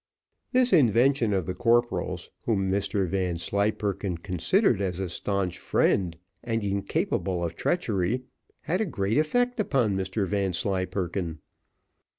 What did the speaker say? This invention of the corporal's, "whom Mr Vanslyperken considered as a stanch friend and incapable of treachery, had a great effect upon Mr Vanslyperken.